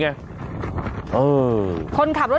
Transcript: จัดกระบวนพร้อมกัน